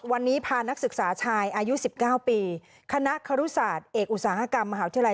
วันนี้พานักศึกษาชายอายุ๑๙ปีคณะครุศาสตร์เอกอุตสาหกรรมมหาวิทยาลัย